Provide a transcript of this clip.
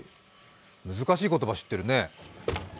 難しい言葉知ってるね。